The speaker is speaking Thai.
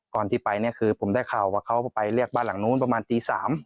ที่ไปเนี่ยคือผมได้ข่าวว่าเขาไปเรียกบ้านหลังนู้นประมาณตี๓